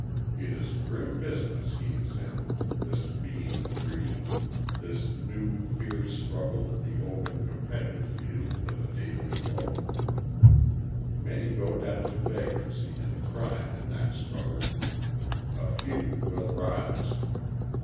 It is grim business he is in, this being free, this new, fierce struggle in the open competitive field for the daily loaf. Many go down to vagrancy and crime in that struggle; a few will rise.